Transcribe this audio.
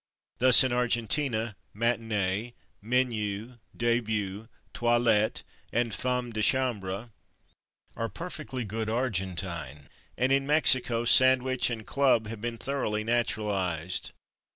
Thus in Argentina /matinée/, /menu/, /début/, /toilette/ and /femme de chambre/ are perfectly good Argentine, and in Mexico /sandwich/ and /club/ have been thoroughly naturalized.